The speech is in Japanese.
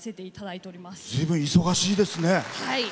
ずいぶん忙しいですね。